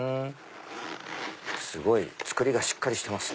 すごい！作りしっかりしてます。